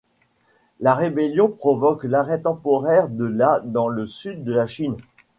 La rébellion provoque l'arrêt temporaire de la dans le Sud de la Chine.